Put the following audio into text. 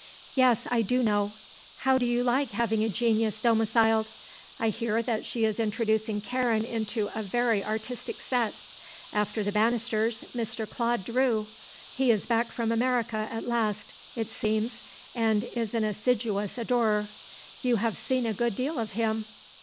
"Yes; I do know. How do you like having a genius domiciled? I hear that she is introducing Karen into a very artistic set. After the Bannisters, Mr. Claude Drew. He is back from America at last, it seems, and is an assiduous adorer. You have seen a good deal of him?"